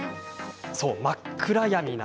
そう、真っ暗闇。